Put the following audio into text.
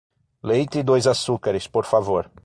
Leite e dois açucares, por favor.